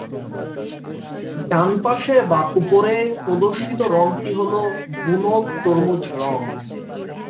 ডানপাশে বা উপরে প্রদর্শিত রঙটি হলো বুনো তরমুজ রঙ।